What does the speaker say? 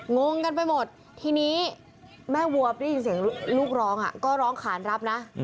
งงกันไปหมดทีนี้แม่วัวได้ยินเสียงลูกร้องก็ร้องขานรับนะ